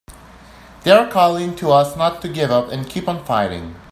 They're calling to us not to give up and to keep on fighting!